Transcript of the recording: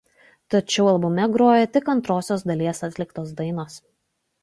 Tačiau albume groja tik antrosios dalies atliktos dainos.